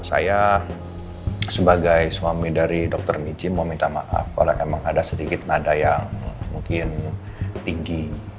saya sebagai suami dari dokter michi mau minta maaf kalau emang ada sedikit nada yang mungkin tinggi